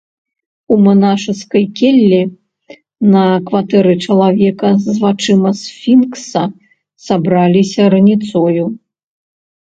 У манашаскай келлі на кватэры чалавека з вачыма сфінкса сабраліся раніцою.